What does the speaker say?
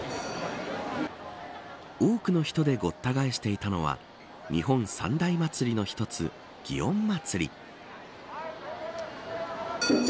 多くの人でごった返していたのは日本三大祭りの一つ、祇園祭。